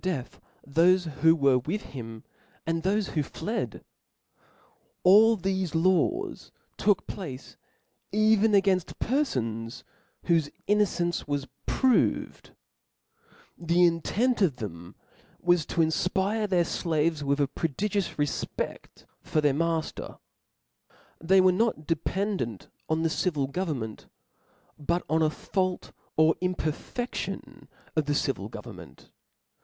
* death (") thofe who were with him, and thofe who («)!%, X. ^^^*^^^*^^^^^^^^^^^ P^^^^ ^^^" againft pcr \V'^* fons whofe innocence was proved 5 the intent of them was to infpire their flaves with a prodigious refpcft for their matter. They were not depen . dent on the civil government, but on a fault or imperfeftion of the civil government.